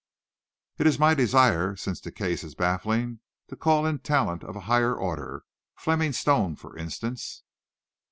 It is my desire, since the case is baffling, to call in talent of a higher order. Fleming Stone, for instance."